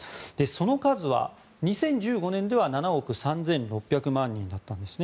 その数は、２０１５年では７億３６００万人だったんです。